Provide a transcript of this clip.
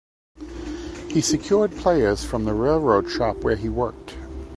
He secured players from the railroad shop where he worked.